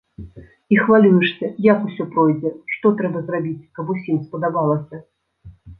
І хвалюешся, як усё пройдзе, што трэба зрабіць, каб усім спадабалася.